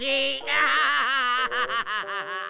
アハハハ！